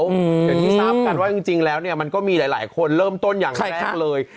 อย่างที่ทราบกันว่าจริงแล้วเนี่ยมันก็มีหลายคนเริ่มต้นอย่างแรกเลย